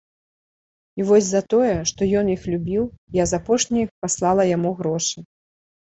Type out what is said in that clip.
І вось за тое, што ён іх любіў, я з апошніх паслала яму грошы.